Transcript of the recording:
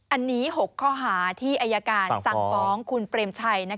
อันนี้๖ข้อหาที่อายการสั่งฟ้องคุณเปรมชัย